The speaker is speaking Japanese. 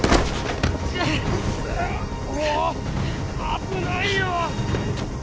危ないよ！